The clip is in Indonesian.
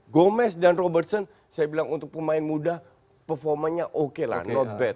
gomez dan robertson saya bilang untuk pemain muda performanya oke lah not bad